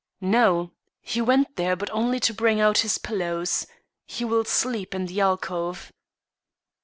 "No. He went there but only to bring out his pillows. He will sleep in the alcove."